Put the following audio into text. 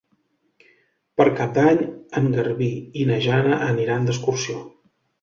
Per Cap d'Any en Garbí i na Jana aniran d'excursió.